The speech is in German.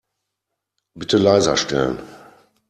Bitte leiser stellen.